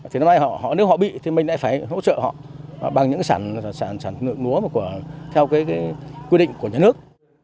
thì năm nay nếu họ bị thì mình lại phải hỗ trợ họ bằng những sản nước múa theo quy định của nhà nước